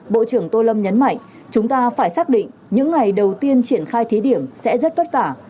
bộ trưởng tô lâm nhấn mạnh chúng ta phải xác định những ngày đầu tiên triển khai thí điểm sẽ rất vất vả